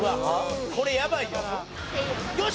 これやばいよ。